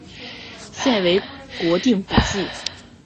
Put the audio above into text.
现为国定古迹。